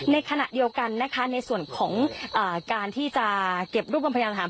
ในขณะเดียวกันนะคะในส่วนของการที่จะเก็บรูปรวมพยานถาม